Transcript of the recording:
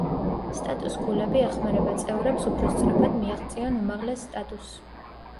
სტატუს ქულები ეხმარება წევრებს უფრო სწრაფად მიაღწიონ უმაღლეს სტატუსს.